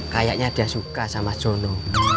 kayaknya dia suka sama jolo